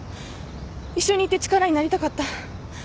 一緒に行って力になりたかった。